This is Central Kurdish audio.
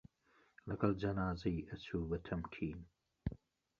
لەگەڵ جەنازەی ئەچوو بە تەمکین